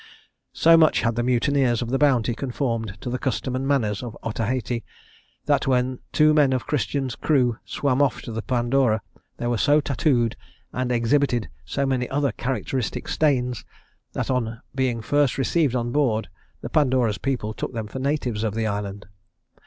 So much had the mutineers of the Bounty conformed to the custom and manners of Otaheite, that when two men of Christian's crew swam off to the Pandora, they were so tattooed, and exhibited so many other characteristic stains, that on being first received on board, the Pandora's people took them for natives of the island.